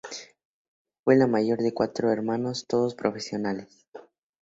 Fue la mayor de cuatro hermanos, todos profesionales.